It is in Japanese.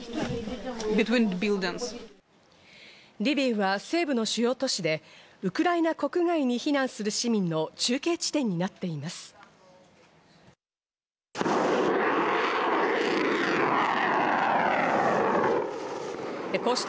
リビウは西部の主要都市で、ウクライナ国外に避難する市民の中継地点になっています。